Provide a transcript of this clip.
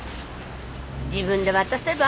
自分で渡せば？